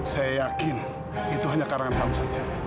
saya yakin itu hanya karangan ham saja